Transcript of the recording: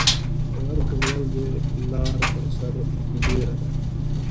غر که لوړ دى ، لار پر سر بيره ده.